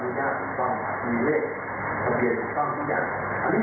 อะไรก็แล้วแต่เย็นเยอะเยิน